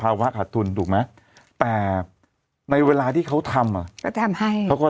ทำงานครบ๒๐ปีได้เงินชดเฉยเลิกจ้างไม่น้อยกว่า๔๐๐วัน